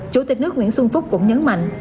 chủ tịch nước nguyễn xuân phúc cũng nhấn mạnh